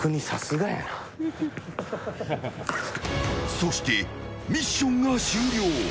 そして、ミッションが終了。